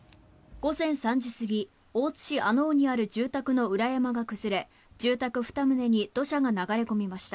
午前３時過ぎ大津市穴太にある住宅の裏山が崩れ、住宅２棟に土砂が流れ込みました。